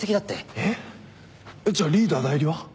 えっじゃあリーダー代理は？